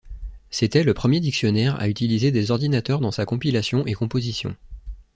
C'était le premier dictionnaire à utiliser des ordinateurs dans sa compilation et composition.